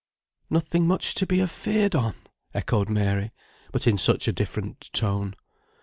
"Nothing much to be afeared on!" echoed Mary, but in such a different tone.